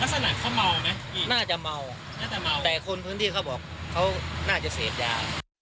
ลักษณะเขาเมาไหมน่าจะเมาน่าจะเมาแต่คนพื้นที่เขาบอกเขาน่าจะเสพยา